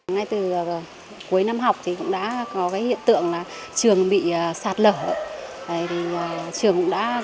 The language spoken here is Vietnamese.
ngay từ cuối năm học thì cũng đã có cái hiện tượng là trường bị sạt lở